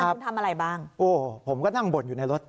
คุณทำอะไรบ้างโอ้ผมก็นั่งบ่นอยู่ในรถ